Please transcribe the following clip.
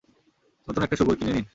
নতুন একটা শূকর কিনে নিন।